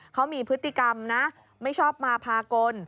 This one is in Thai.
เขามีพฤติกรรมนะไม่ชอบมาพากล